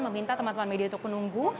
meminta teman teman media untuk menunggu